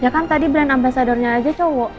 ya kan tadi brand ambasadornya aja cowok